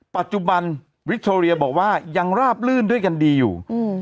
ปัจจุบันวิคโทเรียบอกว่ายังราบลื่นด้วยกันดีอยู่